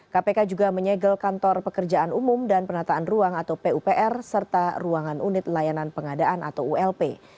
kpk juga menyegel kantor pekerjaan umum dan penataan ruang atau pupr serta ruangan unit layanan pengadaan atau ulp